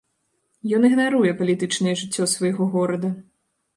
Ён ігнаруе палітычнае жыццё свайго горада.